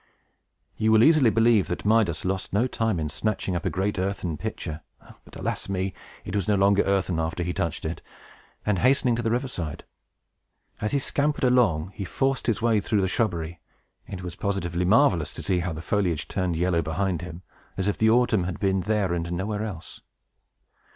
You will easily believe that Midas lost no time in snatching up a great earthen pitcher (but, alas me! it was no longer earthen after he touched it), and hastening to the river side. As he scampered along, and forced his way through the shrubbery, it was positively marvelous to see how the foliage turned yellow behind him, as if the autumn had been there, and nowhere else.